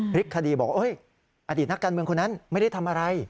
พลิกคดีบอกว่าอดีตนักการเมืองคนนั้นไม่ได้ทำอะไร